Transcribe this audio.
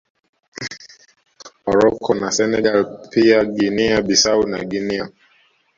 Morocco na Senegal pia Guinea Bissau na Guinea